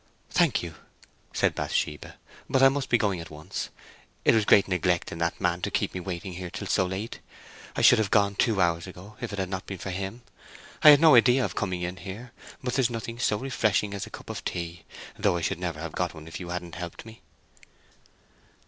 "Thank you," said Bathsheba. "But I must be going at once. It was great neglect in that man to keep me waiting here till so late. I should have gone two hours ago, if it had not been for him. I had no idea of coming in here; but there's nothing so refreshing as a cup of tea, though I should never have got one if you hadn't helped me."